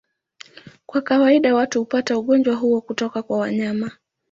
Kwa kawaida watu hupata ugonjwa huo kutoka kwa wanyama.